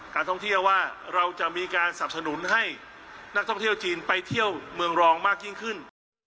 การท่องเที่ยวว่าเราจะมีการสับสนุนให้นักท่องเที่ยวจีนไปเที่ยวเมืองรองมากยิ่งขึ้น